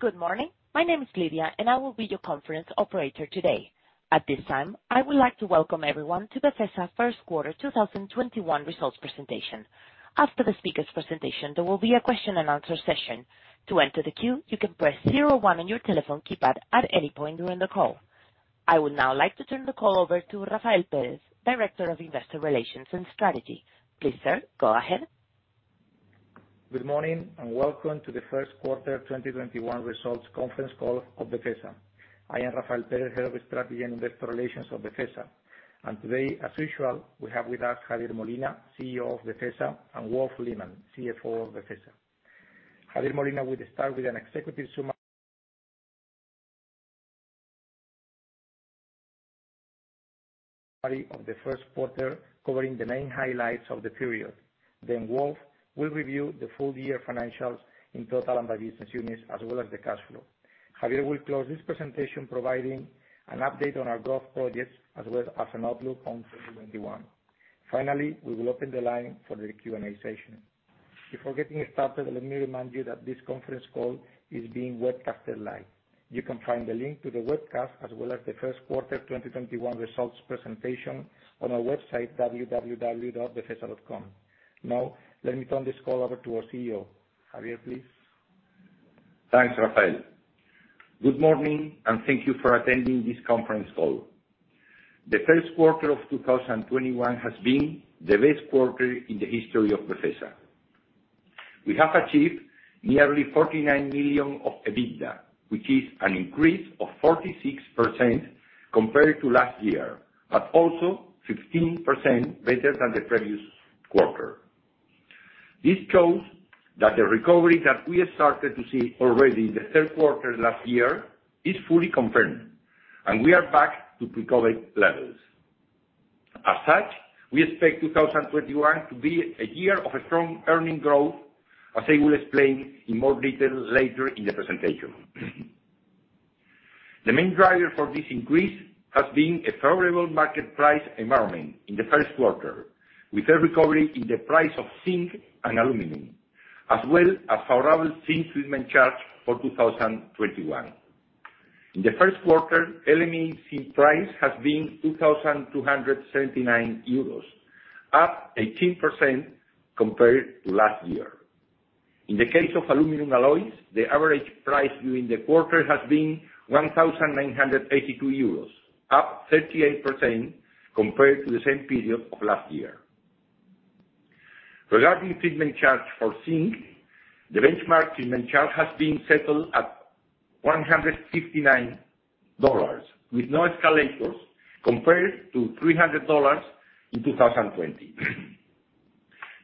Good morning. My name is Lidia, and I will be your conference operator today. At this time, I would like to welcome everyone to Befesa Q1 2021 Results Presentation. After the speakers' presentation, there will be a question and answer session. I would now like to turn the call over to Rafael Pérez, Director of Investor Relations and Strategy. Please, sir, go ahead. Good morning, and welcome to the Q1 2021 Results Conference Call of Befesa. I am Rafael Pérez, Head of Strategy and Investor Relations of Befesa. Today, as usual, we have with us Javier Molina, CEO of Befesa, and Wolf Lehmann, CFO of Befesa. Javier Molina will start with an executive summary of the Q1, covering the main highlights of the period. Wolf will review the full year financials in total and by business units, as well as the cash flow. Javier will close this presentation providing an update on our growth projects, as well as an outlook on 2021. Finally, we will open the line for the Q&A session. Before getting started, let me remind you that this conference call is being webcasted live. You can find the link to the webcast, as well as the Q1 2021 results presentation on our website, www.befesa.com. Now, let me turn this call over to our CEO. Javier, please. Thanks, Rafael. Good morning, and thank you for attending this conference call. The Q1 of 2021 has been the best quarter in the history of Befesa. We have achieved nearly 49 million of EBITDA, which is an increase of 46% compared to last year, but also 15% better than the previous quarter. This shows that the recovery that we have started to see already in the Q3 last year is fully confirmed, and we are back to pre-COVID-19 levels. As such, we expect 2021 to be a year of a strong earning growth, as I will explain in more detail later in the presentation. The main driver for this increase has been a favorable market price environment in the Q1, with a recovery in the price of zinc and aluminum, as well as favorable zinc treatment charge for 2021. In the Q1, LME zinc price has been 2,279 euros, up 18% compared to last year. In the case of aluminum alloys, the average price during the quarter has been 1,982 euros, up 38% compared to the same period of last year. Regarding treatment charge for zinc, the benchmark treatment charge has been settled at $159 with no escalators, compared to $300 in 2020.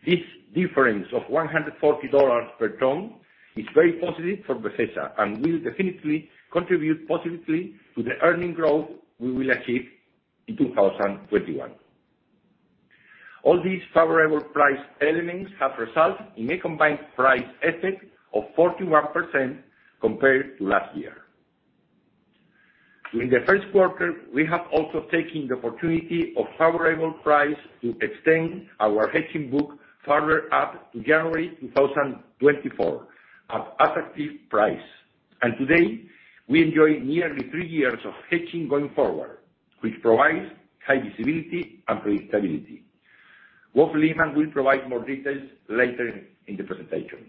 This difference of $140 per ton is very positive for Befesa and will definitely contribute positively to the earning growth we will achieve in 2021. All these favorable price elements have resulted in a combined price effect of 41% compared to last year. During the Q1, we have also taken the opportunity of favorable price to extend our hedging book further up to January 2024 at attractive price. Today, we enjoy nearly three years of hedging going forward, which provides high visibility and predictability. Wolf Lehmann will provide more details later in the presentation.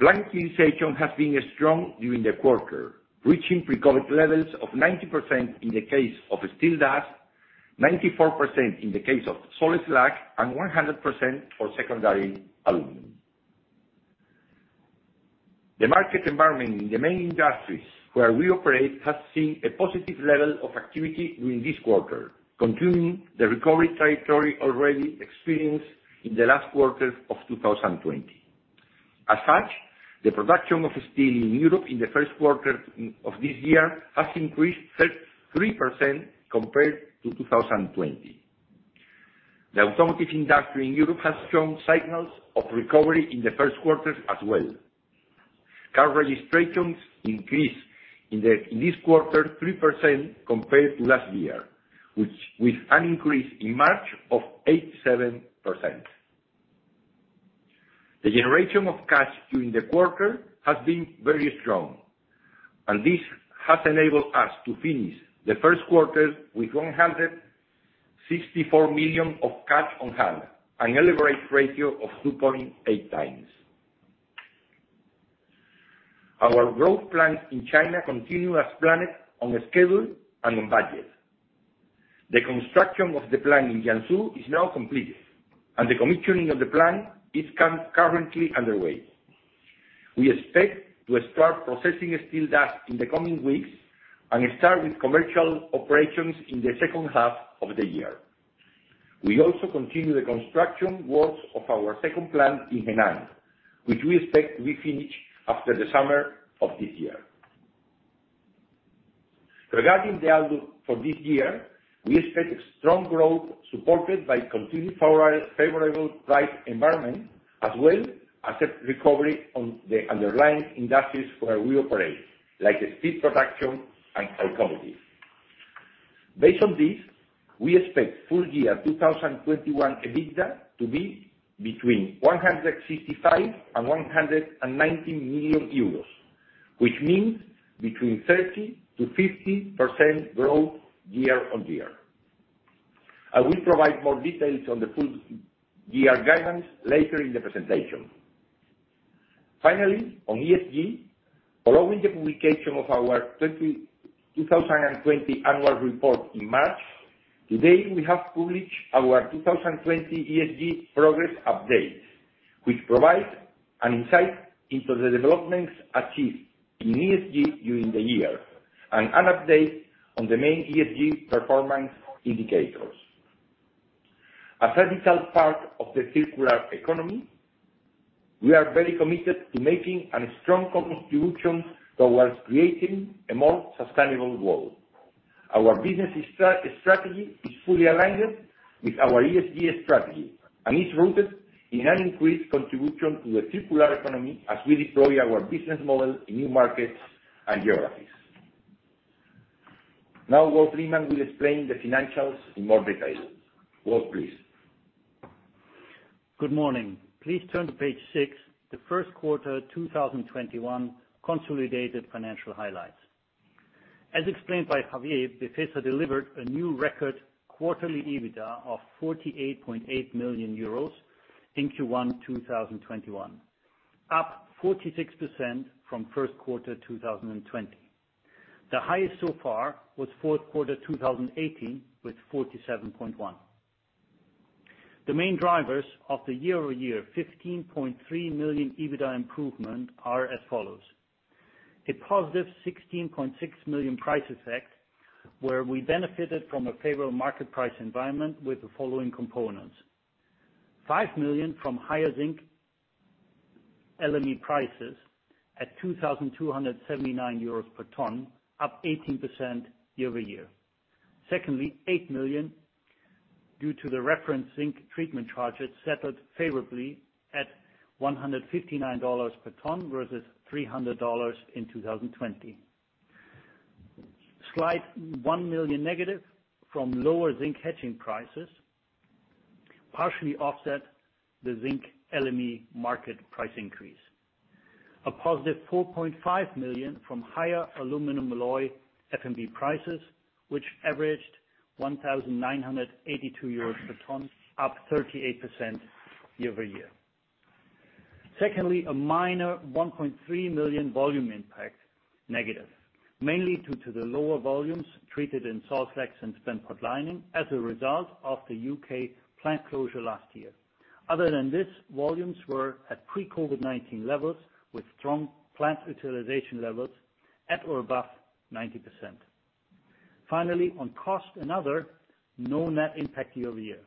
Plant utilization has been strong during the quarter, reaching pre-COVID levels of 90% in the case of steel dust, 94% in the case of salt slag, and 100% for secondary aluminum. The market environment in the main industries where we operate has seen a positive level of activity during this quarter, continuing the recovery territory already experienced in the last quarter of 2020. The production of steel in Europe in the Q1 of this year has increased 33% compared to 2020. The automotive industry in Europe has shown signals of recovery in the Q1 as well. Car registrations increased in this quarter 3% compared to last year, with an increase in March of 87%. The generation of cash during the quarter has been very strong, and this has enabled us to finish the Q1 with 164 million of cash on hand, an leverage ratio of 2.8x. Our growth plans in China continue as planned on schedule and on budget. The construction of the plant in Jiangsu is now completed, and the commissioning of the plant is currently underway. We expect to start processing steel dust in the coming weeks and start with commercial operations in the second half of the year. We also continue the construction works of our second plant in Henan, which we expect to be finished after the summer of this year. Regarding the outlook for this year, we expect strong growth supported by continued favorable price environment, as well as a recovery on the underlying industries where we operate, like steel production and automotive. Based on this, we expect full year 2021 EBITDA to be between 165 million euros and 190 million euros, which means between 30%-50% growth year-over-year. I will provide more details on the full year guidance later in the presentation. Finally, on ESG, following the publication of our 2020 annual report in March, today we have published our 2020 ESG progress update, which provides an insight into the developments achieved in ESG during the year, and an update on the main ESG performance indicators. As a vital part of the circular economy, we are very committed to making a strong contribution towards creating a more sustainable world. Our business strategy is fully aligned with our ESG strategy, and is rooted in an increased contribution to the circular economy as we deploy our business model in new markets and geographies. Now, Wolf Lehmann will explain the financials in more detail. Wolf, please. Good morning. Please turn to page six, the Q1 2021 consolidated financial highlights. As explained by Javier Molina, Befesa delivered a new record quarterly EBITDA of 48.8 million euros in Q1 2021, up 46% from Q1 2020. The highest so far was Q4 2018, with 47.1 million. The main drivers of the year-over-year 15.3 million EBITDA improvement are as follows. A positive 16.6 million price effect, where we benefited from a favorable market price environment with the following components. 5 million from higher zinc LME prices at 2,279 euros per ton, up 18% year-over-year. 8 million due to the reference zinc treatment charge settled favorably at $159 per ton versus $300 in 2020. Slight -1 million from lower zinc hedging prices, partially offset the zinc LME market price increase. A positive 4.5 million from higher aluminium alloy FMB prices, which averaged 1,982 euros per ton, up 38% year-over-year. A minor 1.3 million volume impact negative, mainly due to the lower volumes treated in salt slags and spent pot lining as a result of the U.K. plant closure last year. Other than this, volumes were at pre-COVID-19 levels, with strong plant utilization levels at or above 90%. On cost and other, no net impact year-over-year.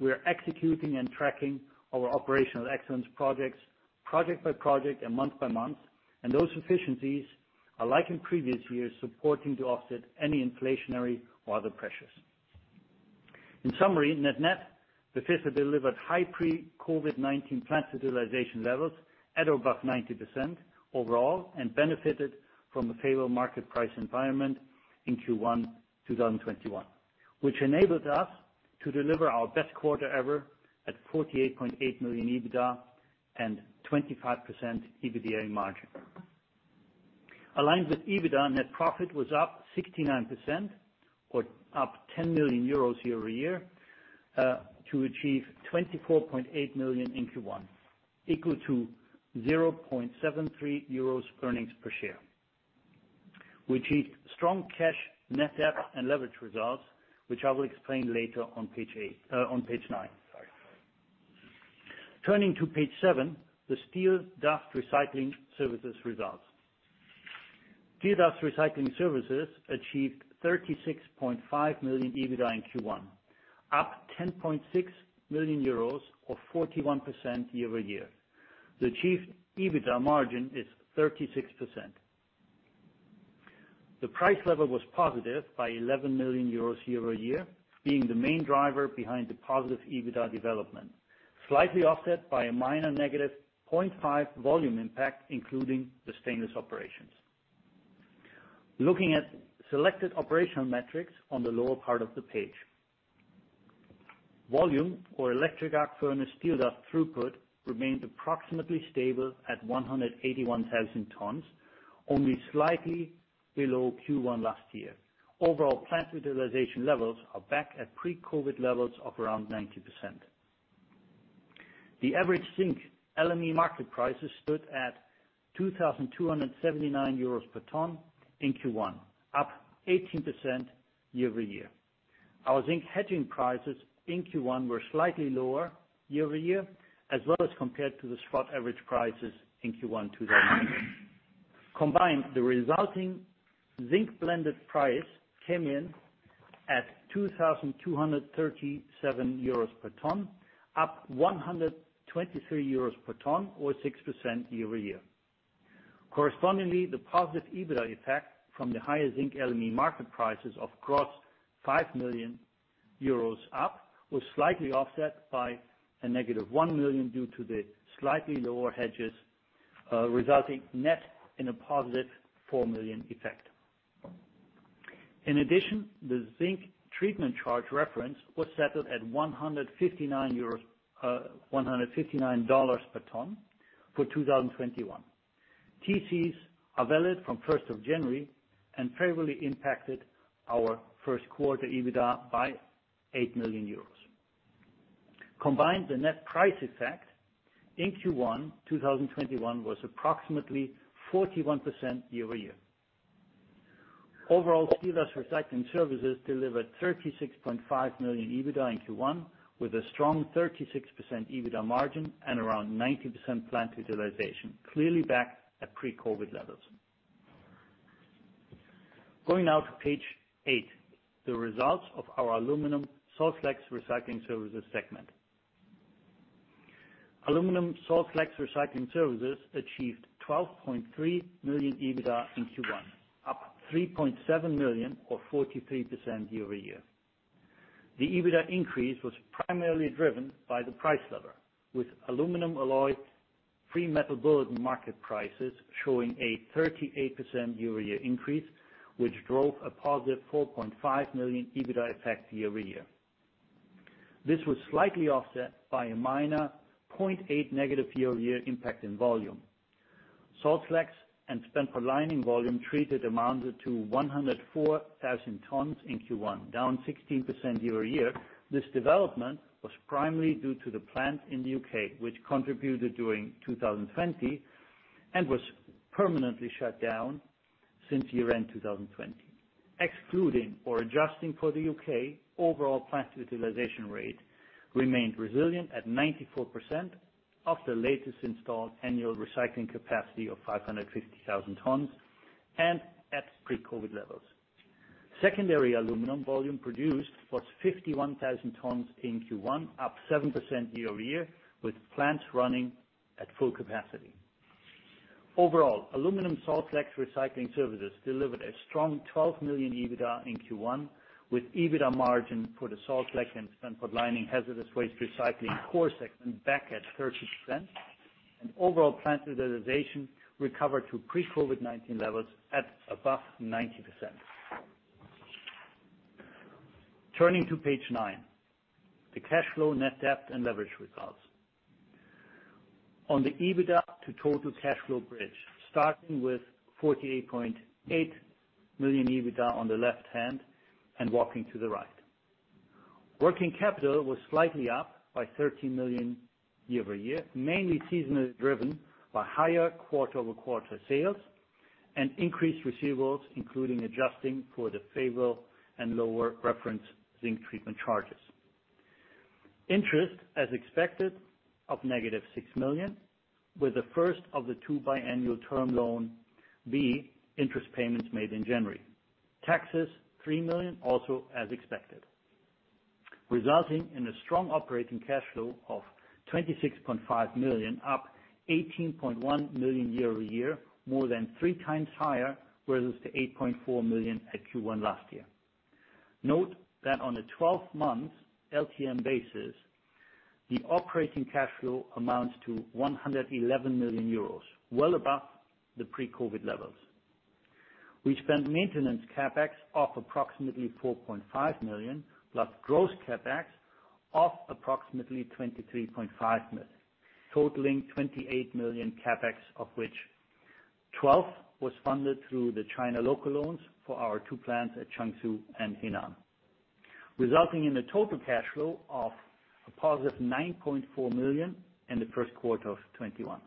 We are executing and tracking our operational excellence projects, project by project and month by month, those efficiencies are, like in previous years, supporting to offset any inflationary or other pressures. In summary, net-net, Befesa delivered high pre-COVID-19 plant utilization levels at above 90% overall, and benefited from a favorable market price environment in Q1 2021, which enabled us to deliver our best quarter ever at 48.8 million EBITDA and 25% EBITDA margin. Aligned with EBITDA, net profit was up 69%, or up 10 million euros year-over-year, to achieve 24.8 million in Q1, equal to 0.73 euros earnings per share. We achieved strong cash, net debt, and leverage results, which I will explain later on page nine. Turning to page seven, the Steel Dust Recycling Services results. Steel Dust Recycling Services achieved 36.5 million EBITDA in Q1, up 10.6 million euros or 41% year-over-year. The achieved EBITDA margin is 36%. The price level was positive by 11 million euros year-over-year, being the main driver behind the positive EBITDA development, slightly offset by a minor -0.5 volume impact, including the stainless operations. Looking at selected operational metrics on the lower part of the page. Volume for electric arc furnace steel dust throughput remained approximately stable at 181,000 tons, only slightly below Q1 last year. Overall plant utilization levels are back at pre-COVID levels of around 90%. The average zinc LME market prices stood at 2,279 euros per ton in Q1, up 18% year-over-year. Our zinc hedging prices in Q1 were slightly lower year-over-year, as well as compared to the spot average prices in Q1 2019. Combined, the resulting zinc blended price came in at 2,237 euros per ton, up 123 euros per ton or 6% year-over-year. The positive EBITDA effect from the higher zinc LME market prices of gross 5 million euros was slightly offset by a -1 million due to the slightly lower hedges. Resulting net in a positive 4 million effect. The zinc treatment charge reference was settled at $159 per ton for 2021. TCs are valid from 1st of January and favorably impacted our Q1 EBITDA by 8 million euros. The net price effect in Q1 2021 was approximately 41% year-over-year. Steel Dust Recycling Services delivered 36.5 million EBITDA in Q1, with a strong 36% EBITDA margin and around 90% plant utilization, clearly back at pre-COVID levels. Going now to page eight, the results of our Aluminium Salt Slags Recycling Services segment. Aluminium Salt Slags Recycling Services achieved 12.3 million EBITDA in Q1, up 3.7 million or 43% year-over-year. The EBITDA increase was primarily driven by the price lever, with aluminum alloy Free Metal Bulletin market prices showing a 38% year-over-year increase, which drove a positive 4.5 million EBITDA effect year-over-year. This was slightly offset by a minor, -0.8 million year-over-year impact in volume. Salt slags and spent pot lining volume treated amounted to 104,000 tons in Q1, down 16% year-over-year. This development was primarily due to the plant in the U.K., which contributed during 2020 and was permanently shut down since year-end 2020. Excluding or adjusting for the U.K., overall plant utilization rate remained resilient at 94% of the latest installed annual recycling capacity of 550,000 tons, and at pre-COVID-19 levels. Secondary aluminum volume produced was 51,000 tons in Q1, up 7% year-over-year, with plants running at full capacity. Overall, Aluminium Salt Slags Recycling Services delivered a strong 12 million EBITDA in Q1, with EBITDA margin for the Salt Slags and spent pot lining hazardous waste recycling core segment back at 30%. Overall plant utilization recovered to pre-COVID-19 levels at above 90%. Turning to page nine, the cash flow, net debt, and leverage results. On the EBITDA to total cash flow bridge, starting with 48.8 million EBITDA on the left hand and working to the right. Working capital was slightly up by 13 million year-over-year, mainly seasonally driven by higher quarter-over-quarter sales and increased receivables, including adjusting for the favorable and lower reference zinc treatment charges. Interest, as expected, up -6 million, with the first of the two biannual term loan B interest payments made in January. Taxes, 3 million, also as expected, resulting in a strong operating cash flow of 26.5 million, up 18.1 million year-over-year, more than 3x higher versus the 8.4 million at Q1 last year. Note that on a 12-month LTM basis, the operating cash flow amounts to 111 million euros, well above the pre-COVID levels. We spent maintenance CapEx of approximately 4.5 million, plus gross CapEx of approximately 23.5 million, totaling 28 million CapEx, of which 12 million was funded through the China local loans for our two plants at Jiangsu and Henan, resulting in a total cash flow of a positive 9.4 million in the Q1 of 2021.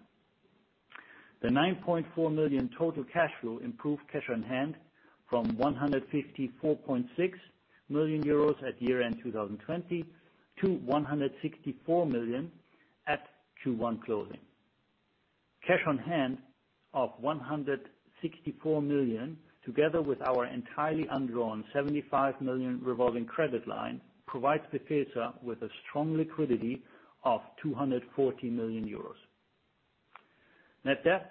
The 9.4 million total cash flow improved cash on hand from 154.6 million euros at year-end 2020 to 164 million at Q1 closing. Cash on hand of 164 million, together with our entirely undrawn 75 million revolving credit line, provides Befesa with a strong liquidity of 240 million euros. Net debt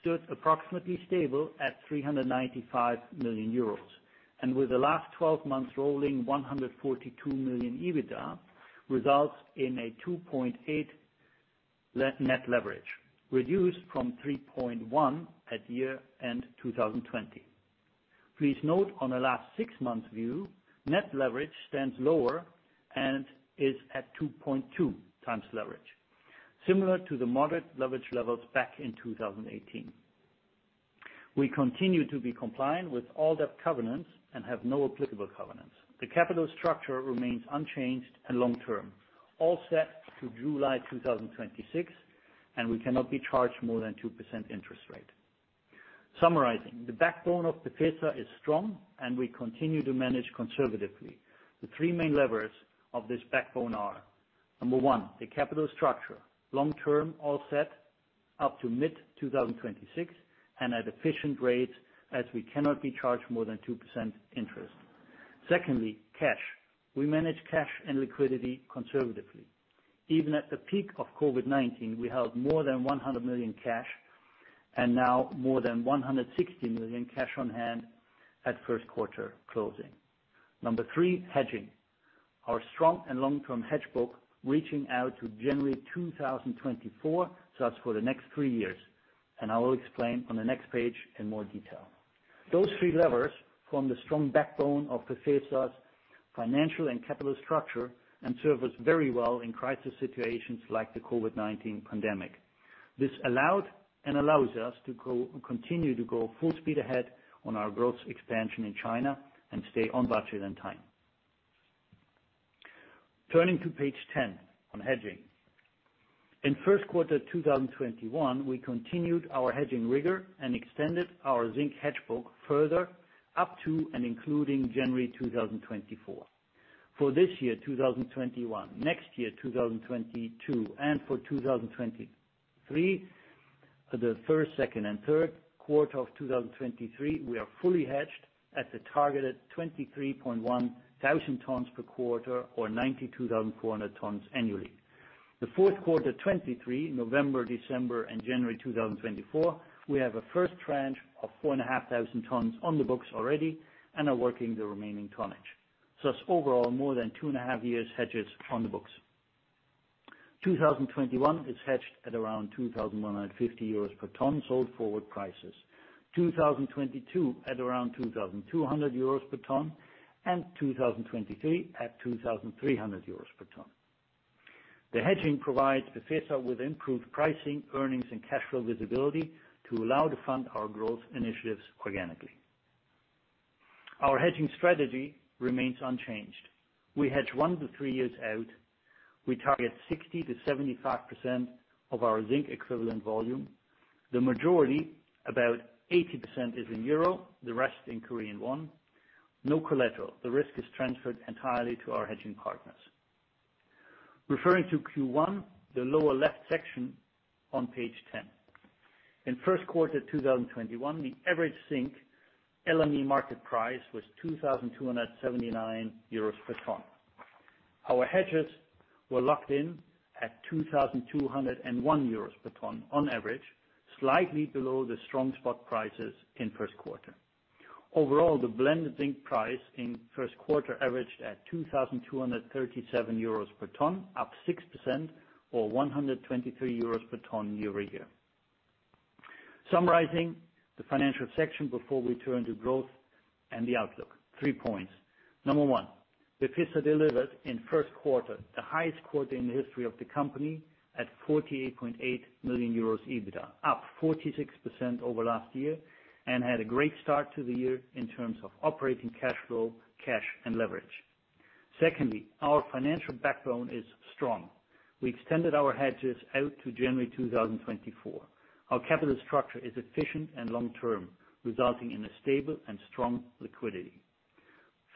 stood approximately stable at 395 million euros, and with the last 12 months rolling, 142 million EBITDA results in a 2.8 net leverage, reduced from 3.1 at year-end 2020. Please note on the last six-month view, net leverage stands lower and is at 2.2x leverage, similar to the moderate leverage levels back in 2018. We continue to be compliant with all debt covenants and have no applicable covenants. The capital structure remains unchanged and long-term, all set to July 2026, we cannot be charged more than 2% interest rate. Summarizing, the backbone of Befesa is strong and we continue to manage conservatively. The three main levers of this backbone are, number one, the capital structure, long-term, all set up to mid-2026, at efficient rates, as we cannot be charged more than 2% interest. Secondly, cash. We manage cash and liquidity conservatively. Even at the peak of COVID-19, we held more than 100 million cash, and now more than 160 million cash on hand at Q1 closing. Number three, hedging. Our strong and long-term hedge book reaching out to January 2024, so that's for the next three years. I will explain on the next page in more detail. Those three levers form the strong backbone of Befesa's financial and capital structure and serve us very well in crisis situations like the COVID-19 pandemic. This allowed and allows us to continue to go full speed ahead on our growth expansion in China and stay on budget and time. Turning to page 10 on hedging. In Q1 2021, we continued our hedging rigor and extended our zinc hedge book further up to and including January 2024. For this year, 2021, next year, 2022, and for 2023, the Q1, Q2, and Q3 of 2023, we are fully hedged at the targeted 23.1 thousand tons per quarter or 92,400 tons annually. The Q4 2023, November, December, and January 2024, we have a first tranche of 4,500 tons on the books already and are working the remaining tonnage. Overall, more than two and a half years hedges on the books. 2021 is hedged at around 2,150 euros per ton sold forward prices, 2022 at around 2,200 euros per ton, and 2023 at 2,300 euros per ton. The hedging provides Befesa with improved pricing, earnings, and cash flow visibility to allow to fund our growth initiatives organically. Our hedging strategy remains unchanged. We hedge one to three years out. We target 60%-75% of our zinc equivalent volume. The majority, about 80%, is in EUR, the rest in KRW. No collateral. The risk is transferred entirely to our hedging partners. Referring to Q1, the lower left section on page 10. In Q1 2021, the average zinc LME market price was 2,279 euros per ton. Our hedges were locked in at 2,201 euros per ton on average, slightly below the strong spot prices in Q1. Overall, the blended zinc price in Q1 averaged at 2,237 euros per ton, up 6% or 123 euros per ton year-over-year. Summarizing the financial section before we turn to growth and the outlook, three points. Number one, Befesa delivered in Q1, the highest quarter in the history of the company at 48.8 million euros EBITDA, up 46% over last year, and had a great start to the year in terms of operating cash flow, cash, and leverage. Secondly, our financial backbone is strong. We extended our hedges out to January 2024. Our capital structure is efficient and long-term, resulting in a stable and strong liquidity.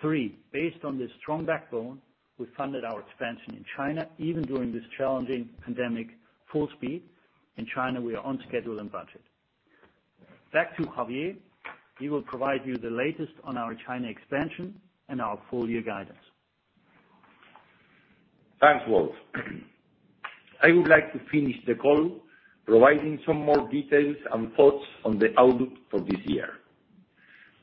Three, based on this strong backbone, we funded our expansion in China, even during this challenging pandemic, full speed. In China, we are on schedule and budget. Back to Javier. He will provide you the latest on our China expansion and our full-year guidance. Thanks, Wolf. I would like to finish the call providing some more details and thoughts on the outlook for this year.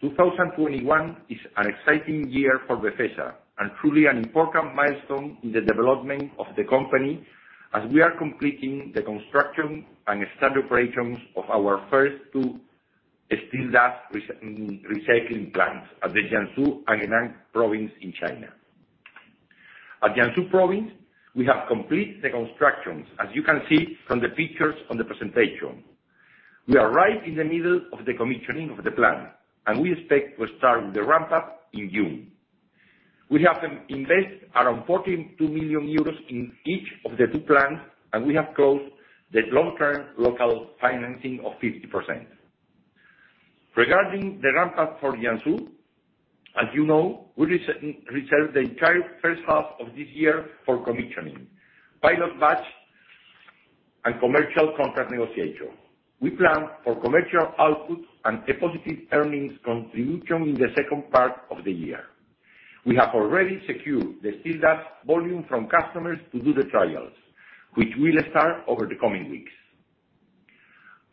2021 is an exciting year for Befesa and truly an important milestone in the development of the company as we are completing the construction and start operations of our first two steel dust recycling plants at the Jiangsu and Henan province in China. At Jiangsu province, we have completed the constructions, as you can see from the pictures on the presentation. We are right in the middle of the commissioning of the plant, we expect to start the ramp-up in June. We have invest around 42 million euros in each of the two plants, and we have closed the long-term local financing of 50%. Regarding the ramp-up for Jiangsu, as you know, we reserved the entire first half of this year for commissioning, pilot batch, and commercial contract negotiation. We plant for commercial output and a positive earnings contribution in the second part of the year. We have already secured the steel dust volume from customers to do the trials, which will start over the coming weeks.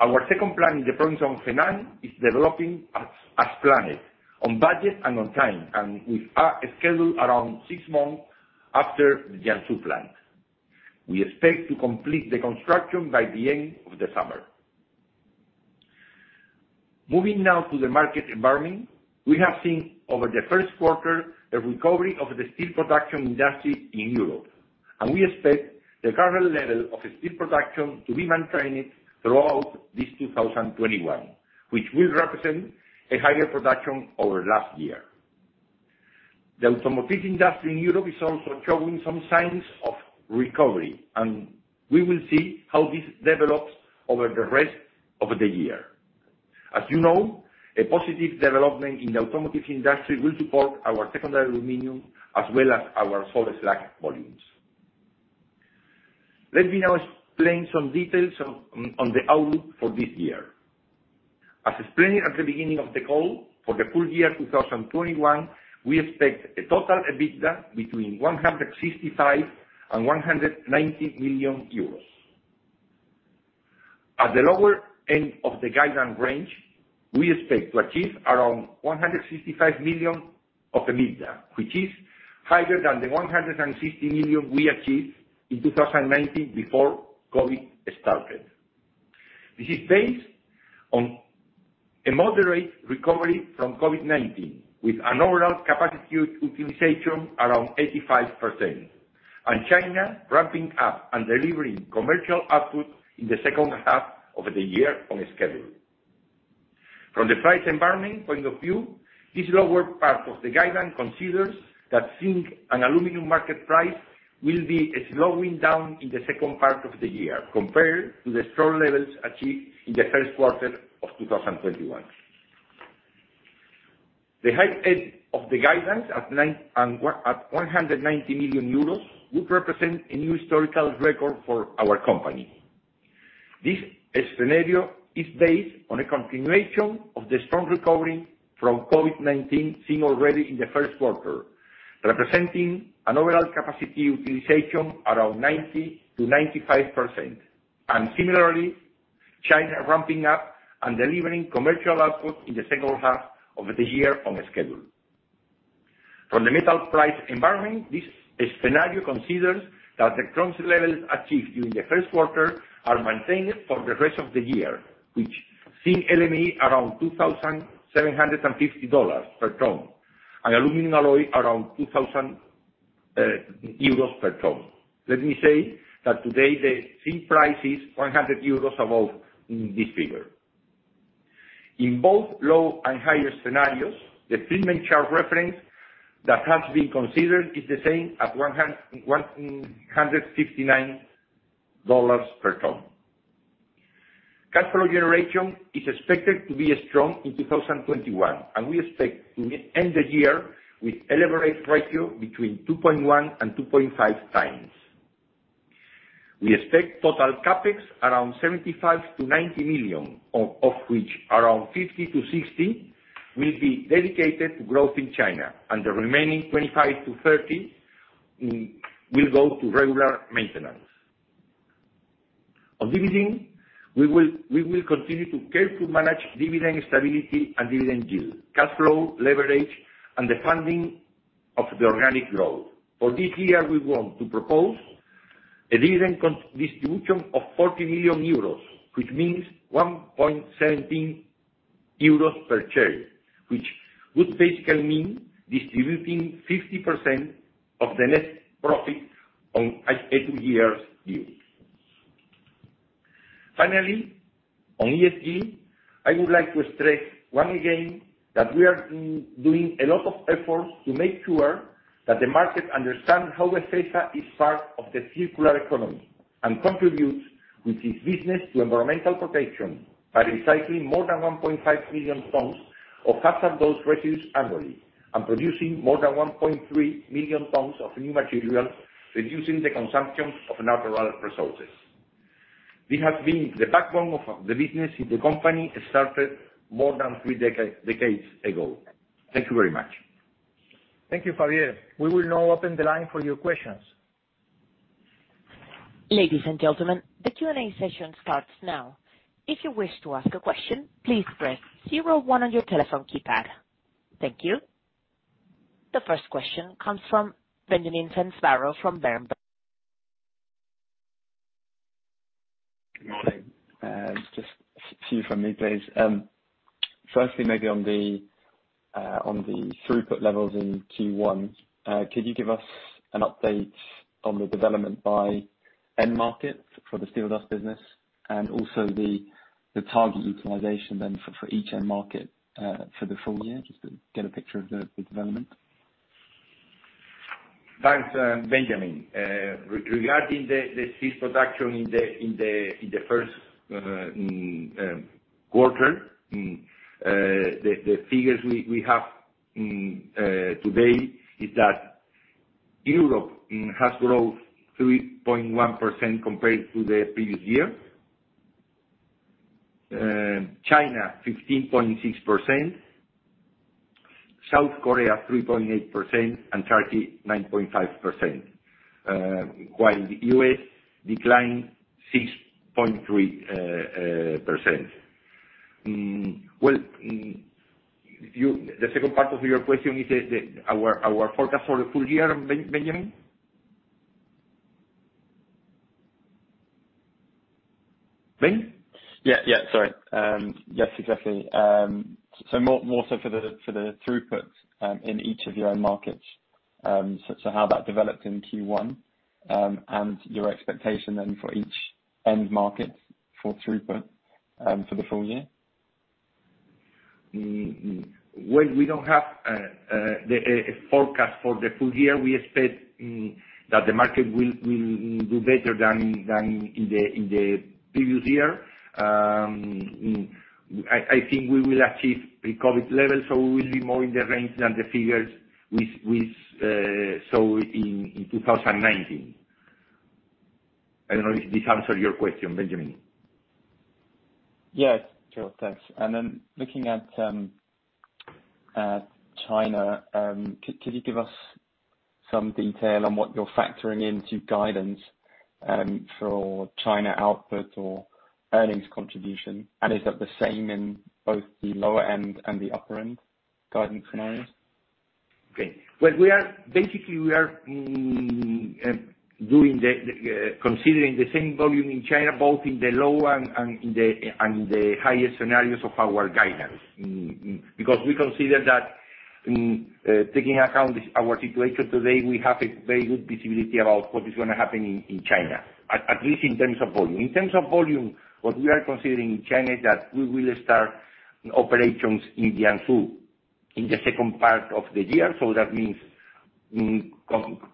Our second plant in the province of Henan is developing as planned, on budget and on time, and with a schedule around six months after the Jiangsu plant. We expect to complete the construction by the end of the summer. Moving now to the market environment. We have seen over the Q1 a recovery of the steel production industry in Europe, and we expect the current level of steel production to be maintained throughout this 2021, which will represent a higher production over last year. The automotive industry in Europe is also showing some signs of recovery, and we will see how this develops over the rest of the year. As you know, a positive development in the automotive industry will support our secondary aluminum as well as our salt slags volumes. Let me now explain some details on the outlook for this year. As explained at the beginning of the call, for the full year 2021, we expect a total EBITDA between 165 million and 190 million euros. At the lower end of the guidance range, we expect to achieve around 165 million of EBITDA, which is higher than the 160 million we achieved in 2019 before COVID started. This is based on a moderate recovery from COVID-19, with an overall capacity utilization around 85%, and China ramping up and delivering commercial output in the second half of the year on schedule. From the price environment point of view, this lower part of the guidance considers that zinc and aluminum market price will be slowing down in the second part of the year compared to the strong levels achieved in the Q1 of 2021. The high end of the guidance at 190 million euros would represent a new historical record for our company. This scenario is based on a continuation of the strong recovery from COVID-19 seen already in the Q1, representing an overall capacity utilization around 90%-95%. Similarly, China ramping up and delivering commercial output in the second half of the year on schedule. From the metal price environment, this scenario considers that the strongest levels achieved during the Q1 are maintained for the rest of the year, with zinc LME around EUR 2,750 per ton and aluminum alloy around 2,000 euros per ton. Let me say that today the zinc price is 100 euros above this figure. In both low and higher scenarios, the treatment charge referenced that has been considered is the same at $159 per ton. Cash flow generation is expected to be strong in 2021, and we expect to end the year with leverage ratio between 2.1x and 2.5x. We expect total CapEx around 75 million-90 million, of which around 50 million-60 million will be dedicated to growth in China, the remaining 25 million-30 million will go to regular maintenance. On dividend, we will continue to carefully manage dividend stability and dividend yield, cash flow, leverage, and the funding of the organic growth. For this year, we want to propose a dividend distribution of 40 million euros, which means 1.17 euros per share, which would basically mean distributing 50% of the net profit on a two years view. Finally, on ESG, I would like to stress once again that we are doing a lot of efforts to make sure that the market understands how Befesa is part of the circular economy and contributes with its business to environmental protection by recycling more than 1.5 million tons of hazardous waste refuse annually and producing more than 1.3 million tons of new materials, reducing the consumption of natural resources. This has been the backbone of the business since the company started more than three decades ago. Thank you very much. Thank you, Javier. We will now open the line for your questions. Ladies and gentlemen, the Q&A session starts now. If you wish to ask a question, please press zero one on your telephone keypad. Thank you. The first question comes from Benjamin Pfannes-Varrow from Berenberg. Good morning. Just a few from me, please. Firstly, maybe on the throughput levels in Q1, could you give us an update on the development by end market for the steel dust business and also the target utilization then for each end market, for the full year, just to get a picture of the development? Thanks, Benjamin. Regarding the steel production in the Q1, the figures we have today is that Europe has grown 3.1% compared to the previous year. China 15.6%, South Korea 3.8%, and Turkey 9.5%, while the U.S. declined 6.3%. Well, the second part of your question is our forecast for the full year, Benjamin? Please. Yeah. Sorry. Yes, exactly. More so for the throughput, in each of your end markets, so how that developed in Q1, and your expectation then for each end market for throughput, for the full year. We don't have a forecast for the full year. We expect that the market will do better than in the previous year. I think we will achieve pre-COVID levels, we will be more in the range than the figures we saw in 2019. I don't know if this answered your question, Benjamin. Yeah, sure, thanks. Looking at China. Could you give us some detail on what you're factoring into guidance for China output or earnings contribution? Is that the same in both the lower end and the upper end guidance scenarios? Okay. Well, basically we are considering the same volume in China, both in the low and the highest scenarios of our guidance. We consider that, taking into account our situation today, we have a very good visibility about what is going to happen in China, at least in terms of volume. In terms of volume, what we are considering in China is that we will start operations in Jiangsu in the second part of the year. That means,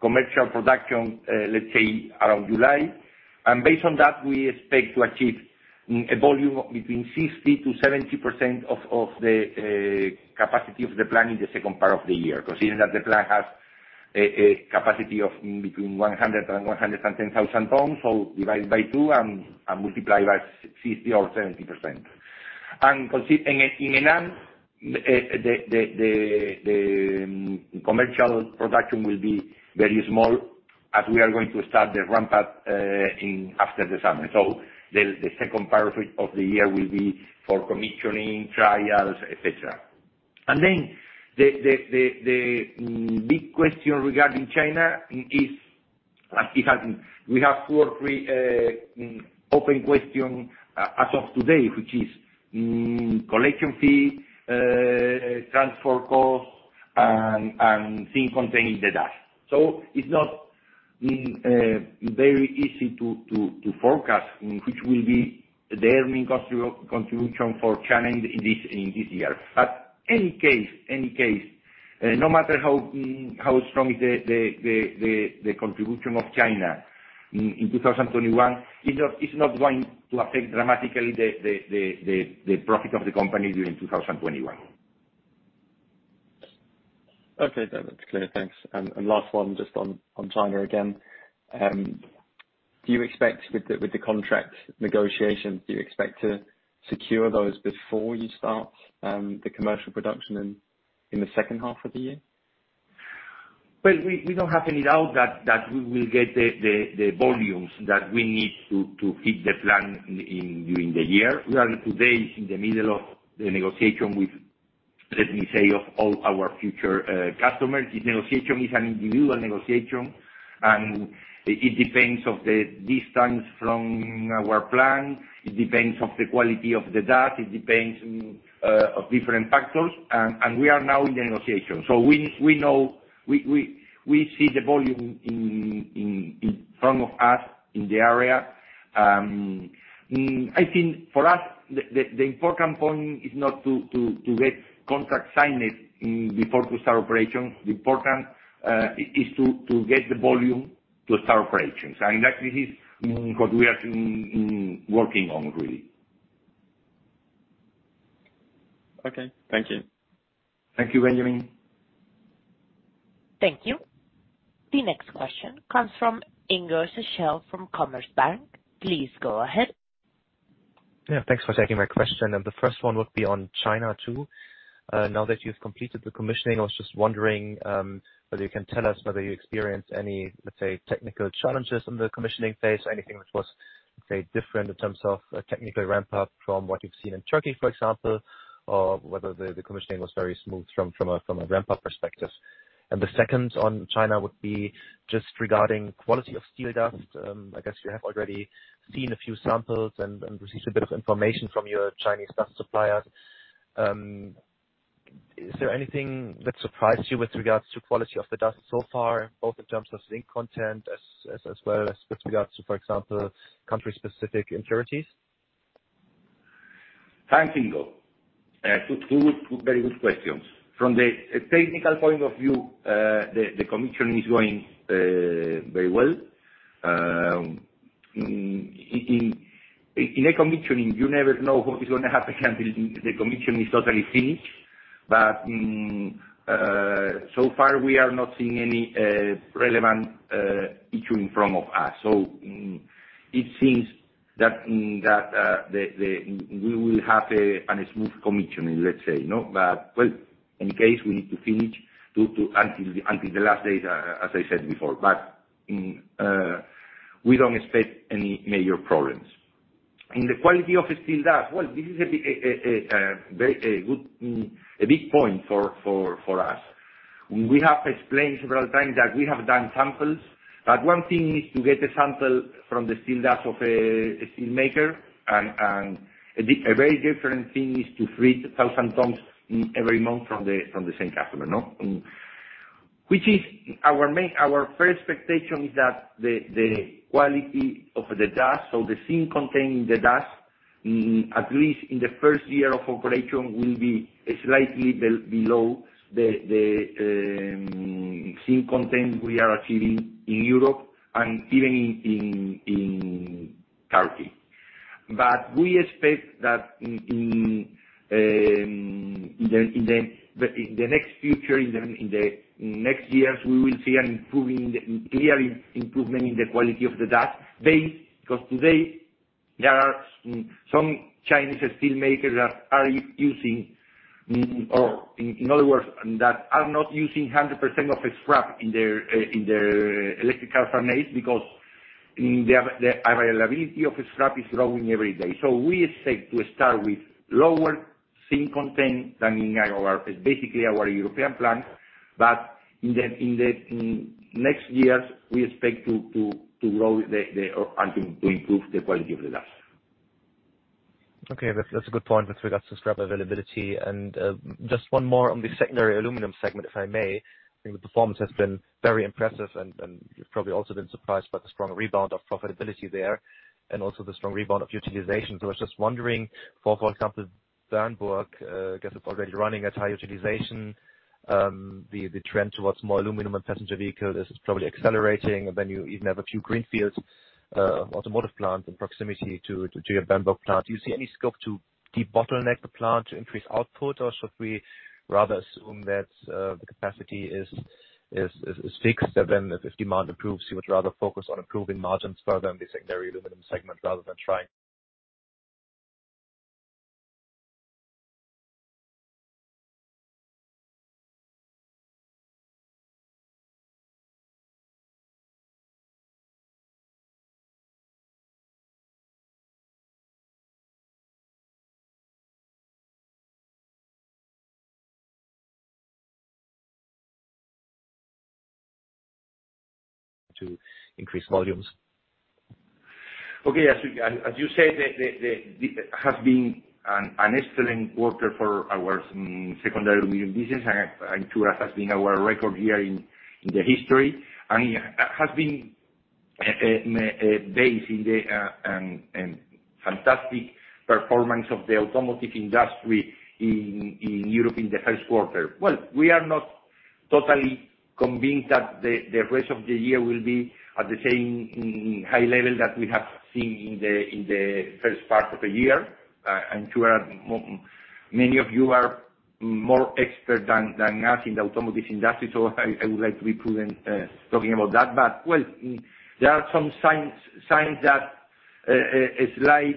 commercial production, let's say around July. Based on that, we expect to achieve a volume between 60%-70% of the capacity of the plant in the second part of the year. Considering that the plant has a capacity of between 100,000 and 110,000 tons, so divide by two and multiply by 60% or 70%. Considering in Henan, the commercial production will be very small as we are going to start the ramp up after the summer. The second part of the year will be for commissioning, trials, et cetera. The big question regarding China is, we have two or three open questions as of today, which is collection fee, transport costs, and zinc contained in the dust. It's not very easy to forecast which will be the earning contribution for China in this year. Any case, no matter how strong the contribution of China in 2021, it's not going to affect dramatically the profit of the company during 2021. Okay. That's clear. Thanks. Last one, just on China again. With the contract negotiation, do you expect to secure those before you start the commercial production in the second half of the year? We don't have any doubt that we will get the volumes that we need to hit the plan during the year. We are today in the middle of the negotiation with, let me say, all our future customers. This negotiation is an individual negotiation, and it depends on the distance from our plant. It depends on the quality of the dust. It depends on different factors. We are now in the negotiation. So we know we see the volume in front of us in the area. I think for us, the important point is not to get contract signed before we start operations. The important is to get the volume to start operations. That is what we are working on really. Okay. Thank you. Thank you, Benjamin. Thank you. The next question comes from Ingo Schachel from Commerzbank. Please go ahead. Yeah. Thanks for taking my question. The first one would be on China, too. Now that you've completed the commissioning, I was just wondering whether you can tell us whether you experienced any, let's say, technical challenges on the commissioning phase or anything which was, let's say, different in terms of technical ramp up from what you've seen in Turkey, for example, or whether the commissioning was very smooth from a ramp-up perspective. The second on China would be just regarding quality of steel dust. I guess you have already seen a few samples and received a bit of information from your Chinese dust suppliers. Is there anything that surprised you with regards to quality of the dust so far, both in terms of zinc content as well as with regards to, for example, country specific impurities? Thanks, Ingo. Two very good questions. From the technical point of view, the commissioning is going very well. In a commissioning, you never know what is going to happen until the commissioning is totally finished. So far, we are not seeing any relevant issue in front of us. It seems that we will have a smooth commissioning, let's say. Well, in case we need to finish until the last day, as I said before. We don't expect any major problems. In the quality of the steel dust, well, this is a big point for us. We have explained several times that we have done samples, but one thing is to get a sample from the steel dust of a steel maker, and a very different thing is to treat 1,000 tons every month from the same customer. Our first expectation is that the quality of the dust, so the zinc contained in the dust, at least in the first year of operation, will be slightly below the zinc content we are achieving in Europe and even in Turkey. We expect that in the next years, we will see a clear improvement in the quality of the dust. There are some Chinese steel makers that are not using 100% of scrap in their electric arc furnace because the availability of scrap is growing every day. We expect to start with lower zinc content than in, basically our European plant. In the next years, we expect to grow and to improve the quality of the dust. Okay. That's a good point with regards to scrap availability. Just one more on the secondary aluminum segment, if I may. I think the performance has been very impressive and you've probably also been surprised by the strong rebound of profitability there and also the strong rebound of utilization. I was just wondering for example, Bernburg, I guess it's already running at high utilization. The trend towards more aluminum and passenger vehicle is probably accelerating. You even have a few green fields, automotive plants in proximity to your Bernburg plant. Do you see any scope to debottleneck the plant to increase output? Should we rather assume that the capacity is fixed and then if demand improves, you would rather focus on improving margins further in the secondary aluminum segment rather than trying to increase volumes. Okay. As you said, it has been an excellent quarter for our secondary aluminum business. I'm sure that has been our record year in the history. It has been based in the fantastic performance of the automotive industry in Europe in the Q1. Well, we are not totally convinced that the rest of the year will be at the same high level that we have seen in the first part of the year. I'm sure many of you are more expert than us in the automotive industry, so I would like to be prudent talking about that. Well, there are some signs that a slight,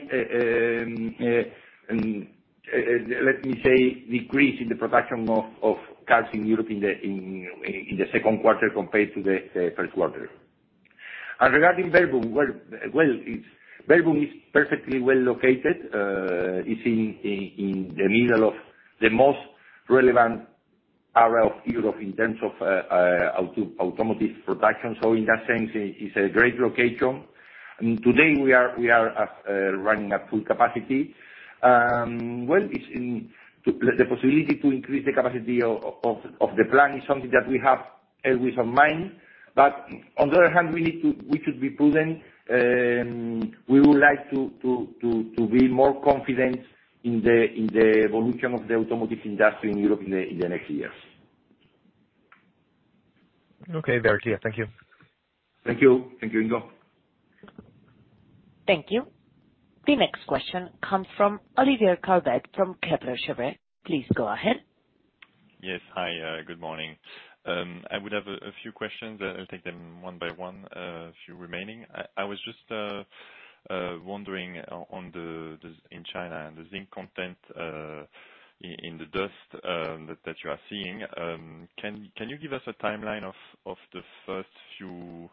let me say, decrease in the production of cars in Europe in the Q2 compared to the Q1. Regarding Bernburg, well, Bernburg is perfectly well located. It's in the middle of the most relevant area of Europe in terms of automotive production. In that sense, it's a great location. Today, we are running at full capacity. The possibility to increase the capacity of the plant is something that we have with our mind. On the other hand, we should be prudent. We would like to be more confident in the evolution of the automotive industry in Europe in the next years. Okay. Very clear. Thank you. Thank you. Thank you, Ingo. Thank you. The next question comes from Olivier Calvet from Kepler Cheuvreux. Please go ahead. Yes. Hi, good morning. I would have a few questions. I'll take them one by one, a few remaining. I was just wondering in China, the zinc content in the dust that you are seeing. Can you give us a timeline of the first few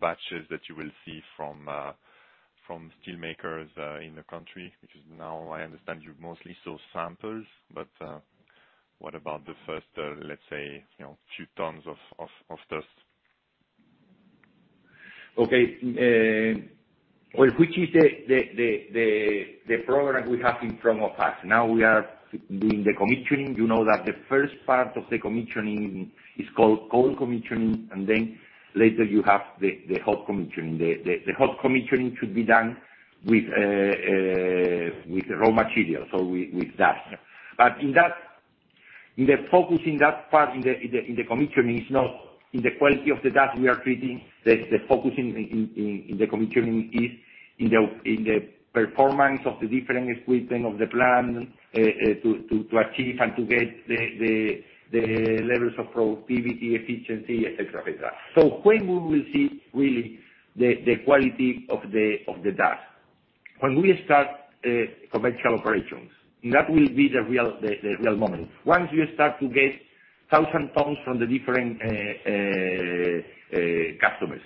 batches that you will see from steel makers in the country? Because now I understand you mostly saw samples, but what about the first, let's say, two tons of dust? Okay. Well, which is the program we have in front of us. Now we are doing the commissioning. You know that the first part of the commissioning is called cold commissioning, and then later you have the hot commissioning. The hot commissioning should be done with raw material, so with dust. The focus in that part, in the commissioning is not in the quality of the dust we are treating. The focus in the commissioning is in the performance of the different equipment of the plant, to achieve and to get the levels of productivity, efficiency, et cetera. When we will see really the quality of the dust? That will be the real moment. Once you start to get 1,000 tons from the different customers.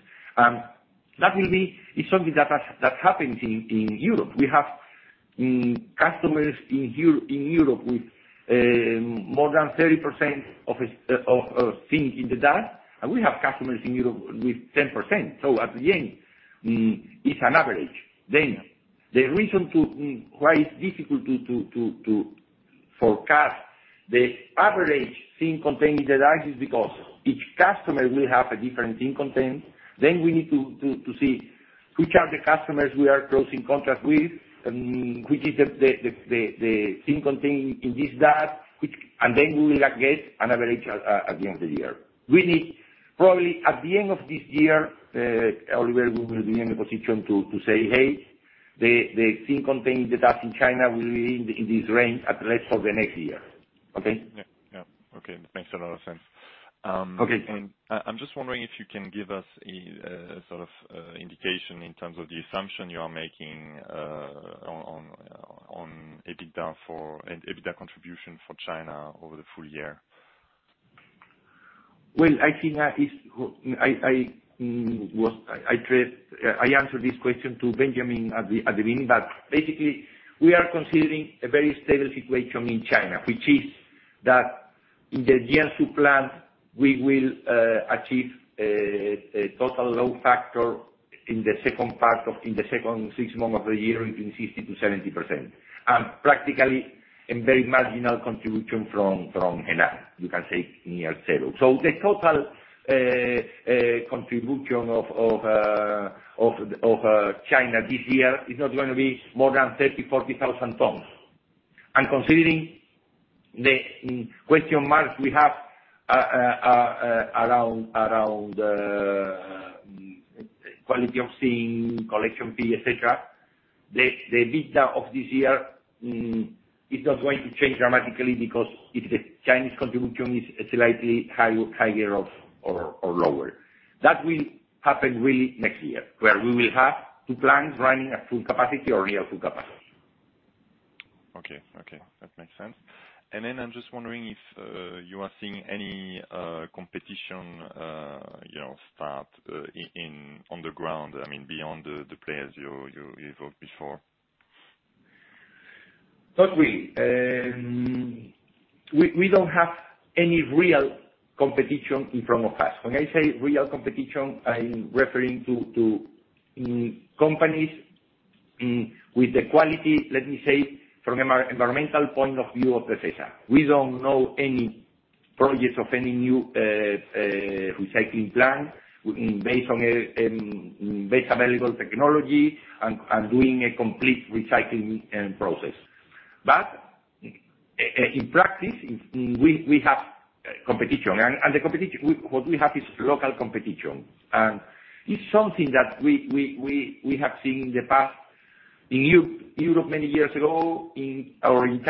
It's something that happens in Europe. We have customers in Europe with more than 30% of zinc in the dust, and we have customers in Europe with 10%. At the end, it's an average. The reason why it's difficult to forecast the average zinc content in the dust is because each customer will have a different zinc content. We need to see which are the customers we are closing contract with, which is the zinc content in this dust, and then we will get an average at the end of the year. Really, probably at the end of this year, Olivier, we will be in a position to say, hey, the zinc content in the dust in China will be in this range at least for the next year. Okay? Yeah. Okay. That makes a lot of sense. Okay. I'm just wondering if you can give us a sort of indication in terms of the assumption you are making on EBITDA contribution for China over the full year? Well, I answered this question to Benjamin at the beginning. Basically, we are considering a very stable situation in China, which is that in the Jiangsu plant, we will achieve a total load factor in the second six months of the year between 60%-70%. Practically, a very marginal contribution from Henan, you can say near zero. The total contribution of China this year is not going to be more than 30,000 tons, 40,000 tons. Considering the question marks we have around quality of zinc, collection fee, et cetera, the EBITDA of this year is not going to change dramatically because if the Chinese contribution is slightly higher or lower. That will happen really next year, where we will have two plants running at full capacity or near full capacity. Okay. That makes sense. I'm just wondering if you are seeing any competition start on the ground, beyond the players you invoked before. Not really. We don't have any real competition in front of us. When I say real competition, I'm referring to companies with the quality, let me say, from environmental point of view of Befesa. We don't know any projects of any new recycling plant based on best available technology and doing a complete recycling end process. In practice, we have competition. What we have is local competition. It's something that we have seen in the past in Europe many years ago, or in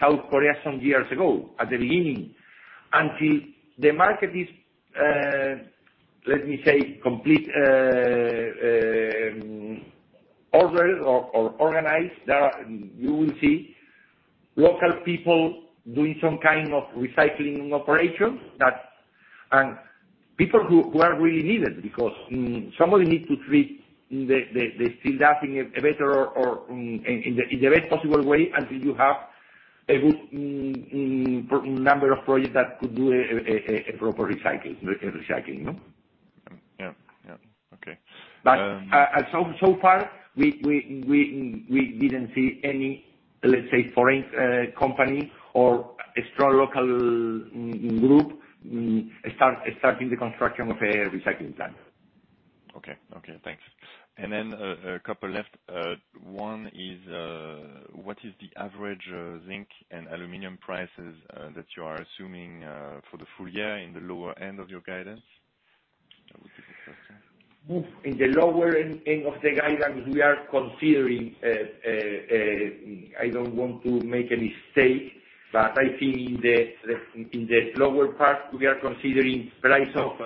South Korea some years ago, at the beginning. Until the market is, let me say, complete or organized, you will see local people doing some kind of recycling operation. People who are really needed, because somebody needs to treat the steel dust in the best possible way until you have a good number of projects that could do a proper recycling. Yeah. Okay. So far we didn't see any, let's say, foreign company or a strong local group starting the construction of a recycling plant. Okay. Thanks. Then a couple left. One is, what is the average zinc and aluminum prices that you are assuming for the full year in the lower end of your guidance? That would be the first one. In the lower end of the guidance, we are considering, I don't want to make a mistake, but I think in the lower part, we are considering price of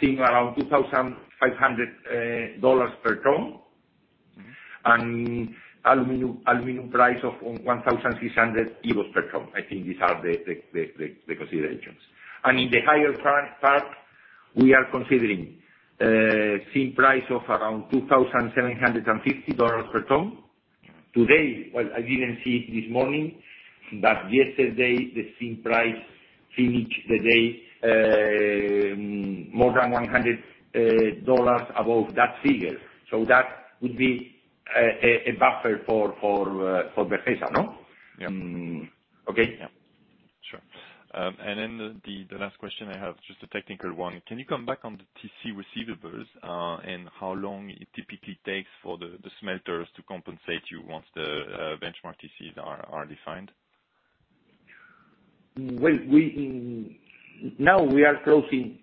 zinc around $2,500 per ton. Aluminum price of 1,600 euros per ton. I think these are the considerations. In the higher part, we are considering zinc price of around $2,750 per ton. Today, well, I didn't see it this morning, but yesterday, the zinc price finished the day more than $100 above that figure. That would be a buffer for Befesa, no? Yeah. Okay. Yeah. Sure. The last question I have, just a technical one. Can you come back on the TC receivables, and how long it typically takes for the smelters to compensate you once the benchmark TCs are defined? Now we are closing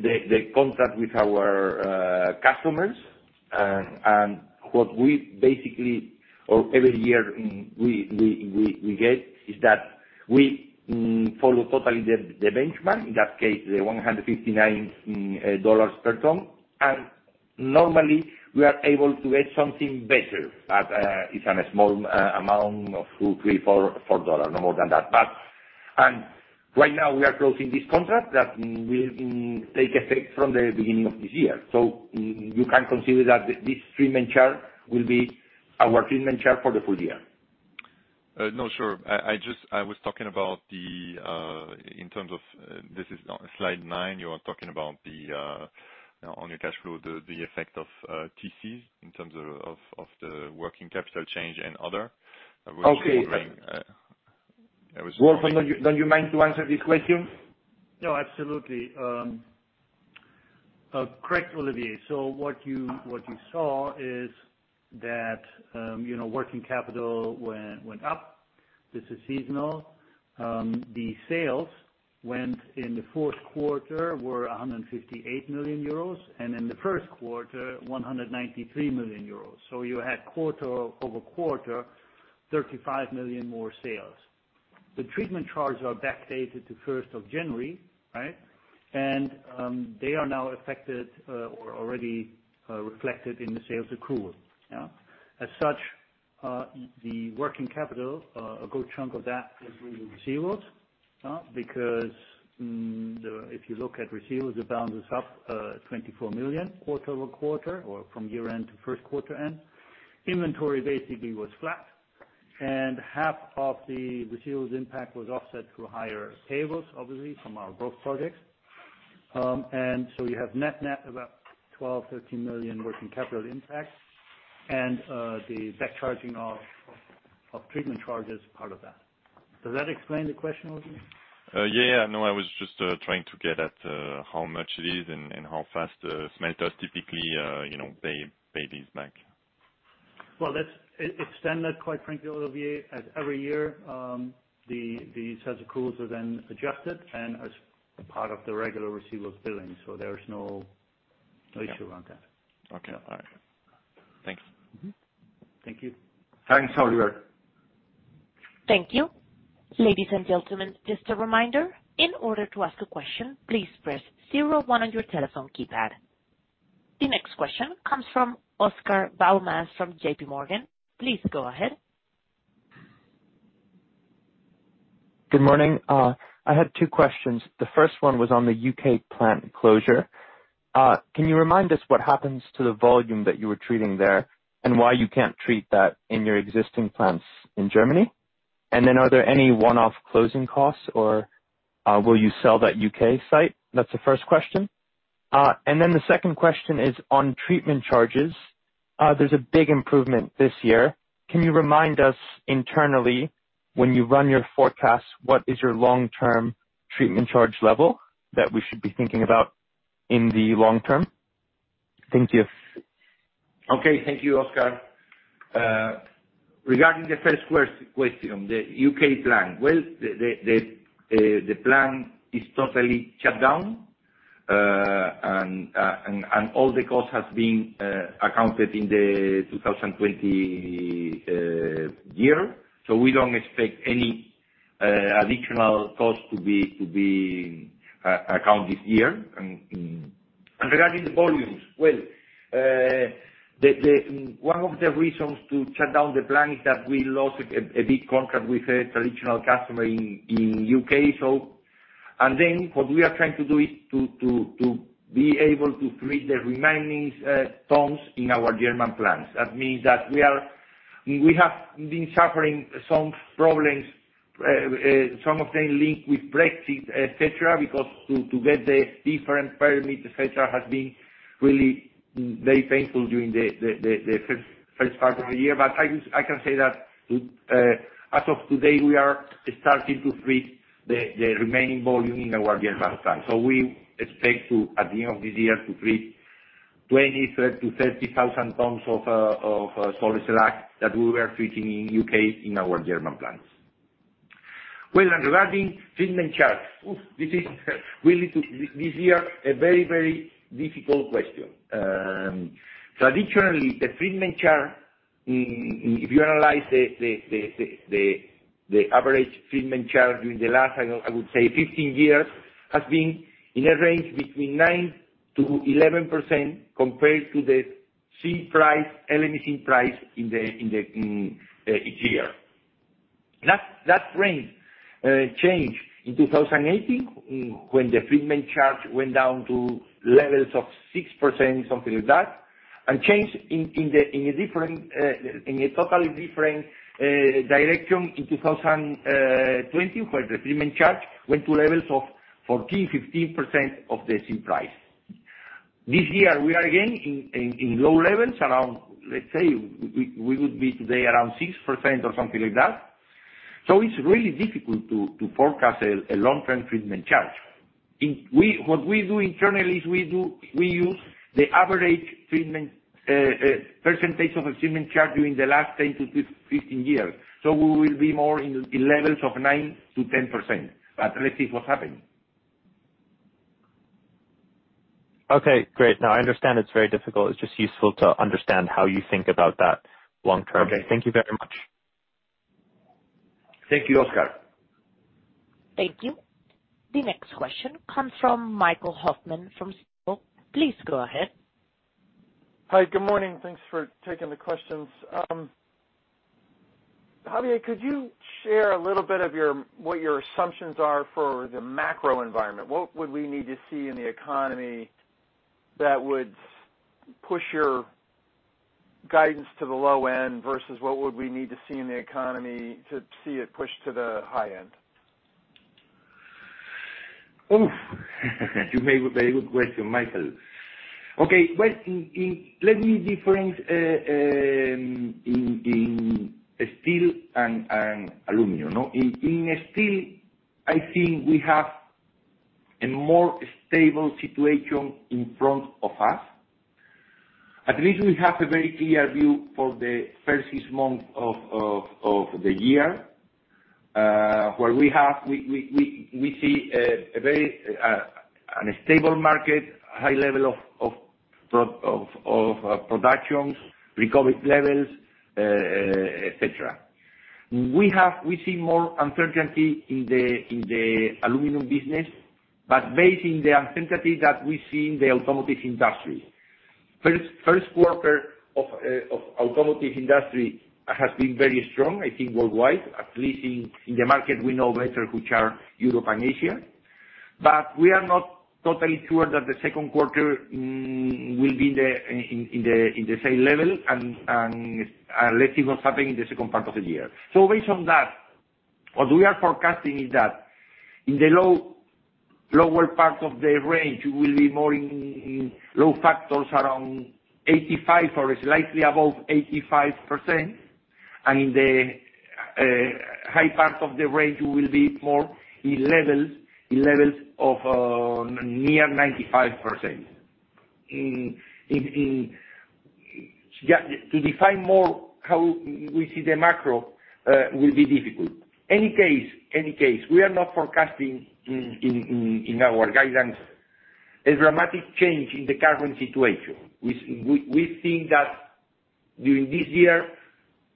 the contract with our customers. What we basically, or every year we get, is that we follow totally the benchmark. In that case, the $159 per ton. Normally, we are able to get something better. It's a small amount of two, three, $4, no more than that. Right now we are closing this contract that will take effect from the beginning of this year. You can consider that this treatment charge will be our treatment charge for the full year. No, sure. I was talking about in terms of, this is slide nine, you are talking about on your cash flow, the effect of TCs in terms of the working capital change and other. Okay. I was. Wolf, don't you mind to answer this question? No, absolutely. Correct, Olivier. What you saw is that working capital went up. This is seasonal. The sales in the Q4 were 158 million euros, and in the Q1, 193 million euros. You had quarter-over-quarter 35 million more sales. The treatment charges are backdated to 1st of January. They are now affected or already reflected in the sales accrual. As such, the working capital, a good chunk of that is really receivables, because if you look at receivables, the balance is up 24 million quarter-over-quarter or from year-end to Q1-end. Inventory basically was flat, and half of the receivables impact was offset through higher payables, obviously from our growth projects. You have net about 12 million, 13 million working capital impact and the back charging of treatment charge is part of that. Does that explain the question, Olivier? I was just trying to get at how much it is and how fast smelters typically pay these back. Well, it's standard, quite frankly, Olivier, as every year, these types of accruals are then adjusted and as part of the regular receivables billing. There's no issue around that. Okay. All right. Thanks. Mm-hmm. Thank you. Thanks, Olivier. Thank you. Ladies and gentlemen, just a reminder, in order to ask a question, please press zero one on your telephone keypad. The next question comes from Oscar Val Mas from JPMorgan. Please go ahead. Good morning. I had two questions. The first one was on the U.K. plant closure. Can you remind us what happens to the volume that you were treating there and why you can't treat that in your existing plants in Germany? Are there any one-off closing costs or will you sell that U.K. site? That's the first question. The second question is on treatment charges. There's a big improvement this year. Can you remind us internally when you run your forecast, what is your long-term treatment charge level that we should be thinking about in the long term? Thank you. Thank you, Oscar. Regarding the first question, the U.K. plan. The plan is totally shut down, and all the cost has been accounted in 2020. We don't expect any additional cost to be accounted this year. Regarding the volumes. One of the reasons to shut down the plan is that we lost a big contract with a traditional customer in U.K. What we are trying to do is to be able to treat the remaining tons in our German plants. That means that we have been suffering some problems, some of them linked with Brexit, et cetera, because to get the different permit, et cetera, has been really very painful during the first part of the year. I can say that as of today, we are starting to treat the remaining volume in our German plant. We expect at the end of this year to treat 23,000-30,000 tons of salt slag that we were treating in U.K., in our German plants. Regarding treatment charge. This year, a very difficult question. Traditionally, the treatment charge, if you analyze the average treatment charge during the last, I would say 15 years, has been in a range between 9%-11% compared to the LME zinc price each year. That range changed in 2018 when the treatment charge went down to levels of 6%, something like that, and changed in a totally different direction in 2020, where the treatment charge went to levels of 14%-15% of the zinc price. This year, we are again in low levels, around let's say we would be today around 6% or something like that. It's really difficult to forecast a long-term treatment charge. What we do internally is we use the average percentage of treatment charge during the last 10-15 years. We will be more in levels of 9%-10%, but let's see what happens. Okay, great. No, I understand it's very difficult. It's just useful to understand how you think about that long term. Okay. Thank you very much. Thank you, Oscar. Thank you. The next question comes from Michael Hoffman from Stifel. Please go ahead. Hi, good morning. Thanks for taking the questions. Javier, could you share a little bit of what your assumptions are for the macro environment? What would we need to see in the economy that would push your guidance to the low end, versus what would we need to see in the economy to see it push to the high end? You made a very good question, Michael. Well, let me different in steel and aluminum. In steel, I think we have a more stable situation in front of us. At least we have a very clear view for the first six months of the year. Where we see a very unstable market, high level of productions, recovery levels, et cetera. We see more uncertainty in the aluminum business, but based in the uncertainty that we see in the automotive industry. Q1 of automotive industry has been very strong, I think worldwide, at least in the market we know better, which are Europe and Asia. We are not totally sure that the Q2 will be in the same level and let's see what's happening in the second part of the year. Based on that, what we are forecasting is that in the lower part of the range, we will be more in load factors around 85% or slightly above 85%. In the high part of the range, we will be more in levels of near 95%. To define more how we see the macro will be difficult. Any case, we are not forecasting in our guidance a dramatic change in the current situation. We think that during this year,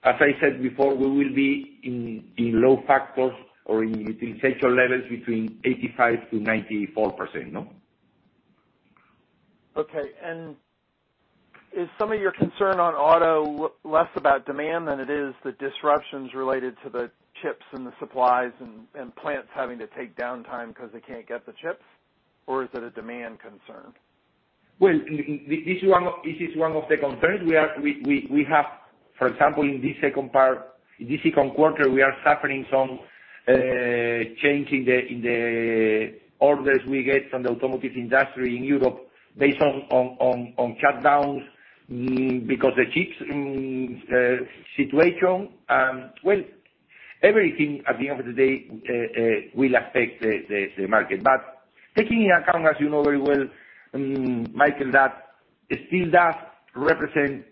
as I said before, we will be in load factors or in utilization levels between 85% to 94%. No? Okay. Is some of your concern on auto less about demand than it is the disruptions related to the chips and the supplies and plants having to take downtime because they can't get the chips? Is it a demand concern? Well, this is one of the concerns. We have, for example, in this Q2, we are suffering some change in the orders we get from the automotive industry in Europe based on shutdowns because the chips situation. Well, everything at the end of the day will affect the market. Taking into account, as you know very well, Michael, that steel dust represents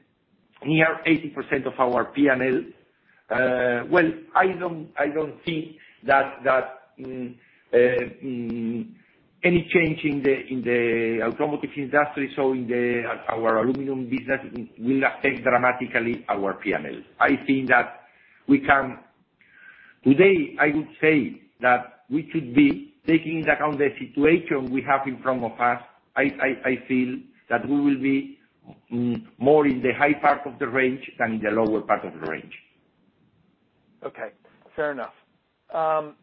near 80% of our P&L. Well, I don't think that any change in the automotive industry, so in our aluminum business, will affect dramatically our P&L. Today, I would say that we should be taking into account the situation we have in front of us. I feel that we will be more in the high part of the range than in the lower part of the range. Okay, fair enough. Javier,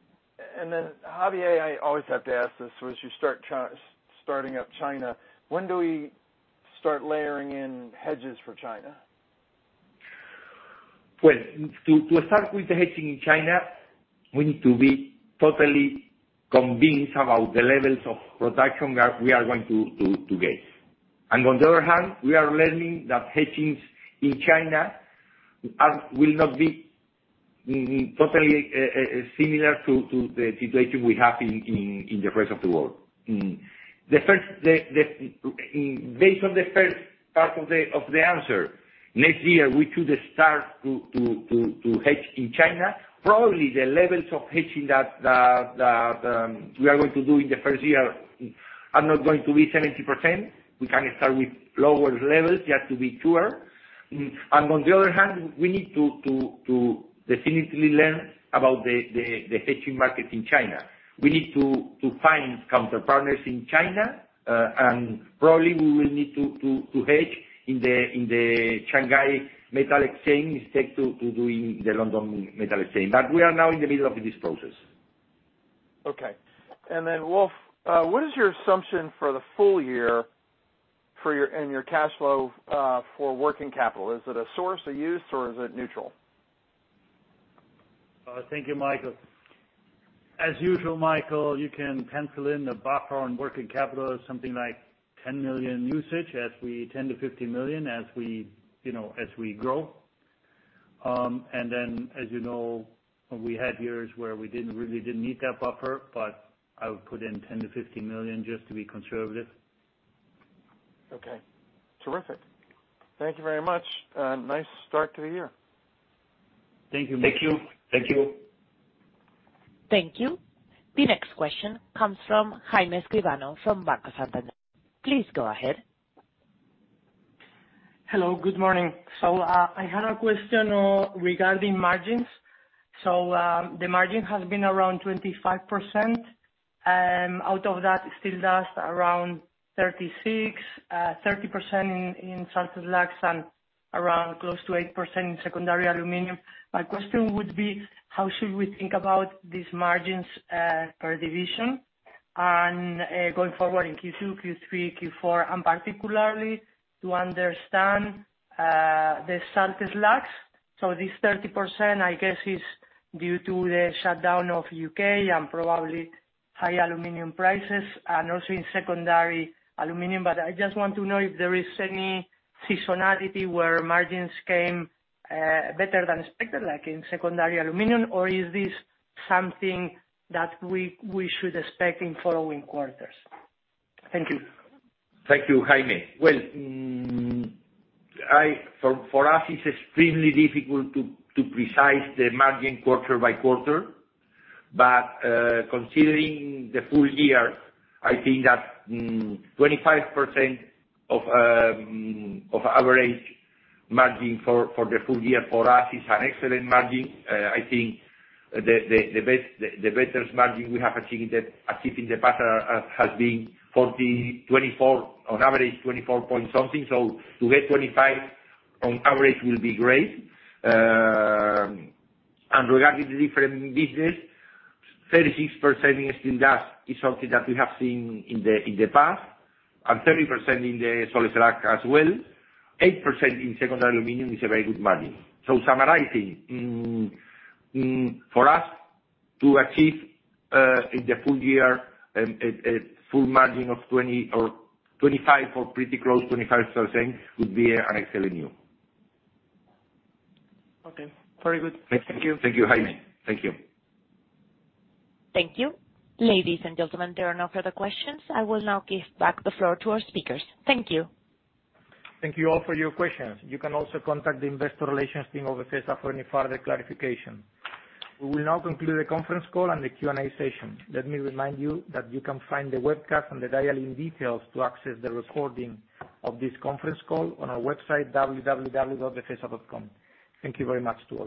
I always have to ask this, as you're starting up China, when do we start layering in hedges for China? To start with the hedging in China, we need to be totally convinced about the levels of production that we are going to get. On the other hand, we are learning that hedgings in China will not be totally similar to the situation we have in the rest of the world. Based on the first part of the answer, next year, we could start to hedge in China. Probably the levels of hedging that we are going to do in the first year are not going to be 70%. We can start with lower levels just to be sure. On the other hand, we need to definitively learn about the hedging market in China. We need to find counterpartners in China, and probably we will need to hedge in the Shanghai Futures Exchange instead to doing the London Metal Exchange. We are now in the middle of this process. Okay. Wolf, what is your assumption for the full year and your cash flow for working capital? Is it a source, a use, or is it neutral? Thank you, Michael. As usual, Michael, you can pencil in the buffer on working capital as something like 10 million usage, 10 million-15 million as we grow. Then, as you know, we had years where we really didn't need that buffer, but I would put in 10 million-15 million just to be conservative. Okay. Terrific. Thank you very much. Nice start to the year. Thank you. Thank you. Thank you. The next question comes from Jaime Escribano from Banco Santander. Please go ahead. Hello. Good morning. I had a question regarding margins. The margin has been around 25%. Out of that, Steel Dust around 36%, 30% in salt slags, and around close to 8% in secondary aluminum. My question would be, how should we think about these margins per division and going forward in Q2, Q3, Q4, and particularly to understand the salt slags. This 30%, I guess, is due to the shutdown of U.K. and probably high aluminum prices, and also in secondary aluminum. I just want to know if there is any seasonality where margins came better than expected, like in secondary aluminum, or is this something that we should expect in following quarters? Thank you. Thank you, Jaime. Well, for us, it's extremely difficult to precise the margin quarter-by-quarter. Considering the full year, I think that 25% of average margin for the full year for us is an excellent margin. I think the better margin we have achieved in the past has been 40/24, on average 24.something. To get 25 on average will be great. Regarding the different business, 36% in Steel Dust is something that we have seen in the past, and 30% in the Salt Slag as well. 8% in secondary aluminum is a very good margin. Summarizing, for us to achieve in the full year, a full margin of 20% or 25% or pretty close, 25%, would be an excellent year. Okay. Very good. Thank you. Thank you, Jaime. Thank you. Thank you. Ladies and gentlemen, there are no further questions. I will now give back the floor to our speakers. Thank you. Thank you all for your questions. You can also contact the investor relations team of Befesa for any further clarification. We will now conclude the conference call and the Q&A session. Let me remind you that you can find the webcast and the dial-in details to access the recording of this conference call on our website, www.befesa.com. Thank you very much to all.